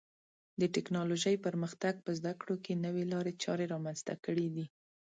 د ټکنالوژۍ پرمختګ په زده کړو کې نوې لارې چارې رامنځته کړې دي.